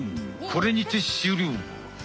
これにて終了！